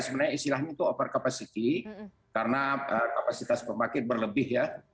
sebenarnya istilahnya itu over capacity karena kapasitas pembangkit berlebih ya